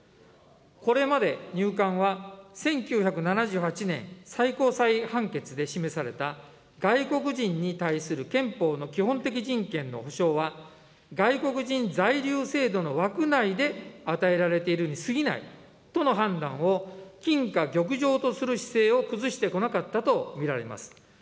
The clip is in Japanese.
これまで入管は、１９７８年最高裁判決で示された外国人に対する憲法の基本的人権の保障は、外国人在留制度の枠内で与えられているにすぎないとの判断を金科玉条とする姿勢を崩してこなかったと見られます。